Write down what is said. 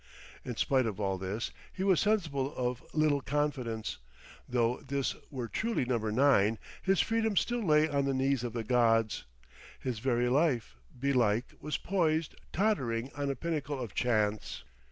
In spite of all this, he was sensible of little confidence; though this were truly Number 9, his freedom still lay on the knees of the gods, his very life, belike, was poised, tottering, on a pinnacle of chance.